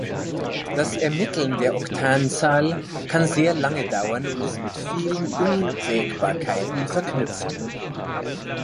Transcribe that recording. Das Ermitteln der Oktanzahl kann sehr lange dauern und ist mit vielen Unwägbarkeiten verknüpft.